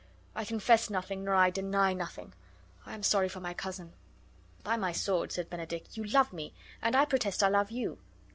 I confess nothing, nor I deny nothing. I am sorry for my cousin." "By my sword," said Benedick, "you love me, and I protest I love you.